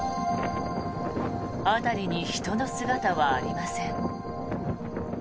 辺りに人の姿はありません。